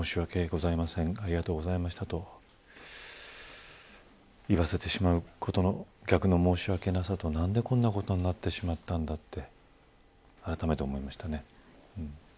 ありがとうございましたと言わせてしまうことの逆の申し訳なさと何でこんなことになってしまったんだってあらためて思いましたね。